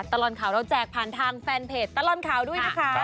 ตลอดข่าวเราแจกผ่านทางแฟนเพจตลอดข่าวด้วยนะคะ